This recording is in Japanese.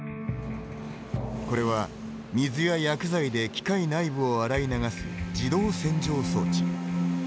これは、水や薬剤で機械内部を洗い流す自動洗浄装置。